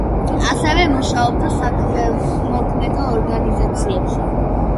ასევე მუშაობდა საქველმოქმედო ორგანიზაციებში.